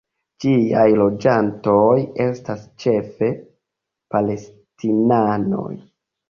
Ĝiaj loĝantoj estas ĉefe palestinanoj.